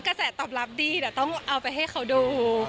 กระแสตอบรับดีแต่ต้องเอาไปให้เขาดู